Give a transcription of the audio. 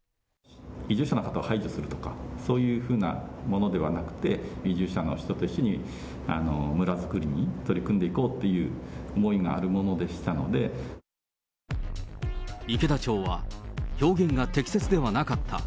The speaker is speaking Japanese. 移住者の方を排除するとか、そういうふうなものではなくて、移住者の人と一緒に村づくりに取り組んでいこうという思いのある池田町は、表現が適切ではなかった。